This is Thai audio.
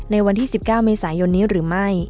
ในวันที่๑๙เมษายนนี้หรือไม่